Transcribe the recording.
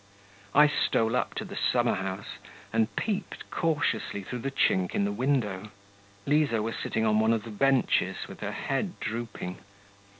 I stole up to the summer house, and peeped cautiously through the chink in the window. Liza was sitting on one of the benches, with her head drooping.